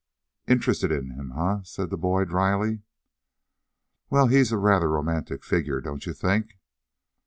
"Interested in him, eh?" said the boy dryly. "Well, he's a rather romantic figure, don't you think?"